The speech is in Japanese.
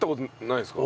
ない。